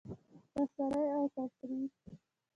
رسنۍ او تفریح